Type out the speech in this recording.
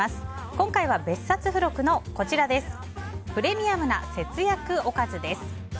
今回は別冊付録のプレミアムな節約おかずです。